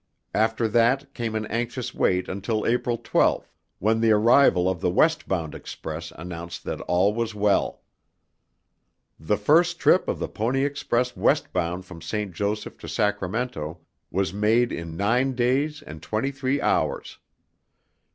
After that came an anxious wait until April 12 when the arrival of the west bound express announced that all was well. The first trip of the Pony Express westbound from St. Joseph to Sacramento was made in nine days and twenty three hours.